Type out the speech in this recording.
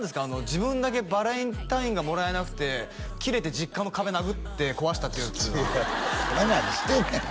自分だけバレンタインがもらえなくてキレて実家の壁殴って壊したっていうやつはお前何してんねん？